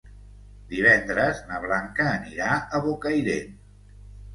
Divendres na Blanca anirà a Bocairent.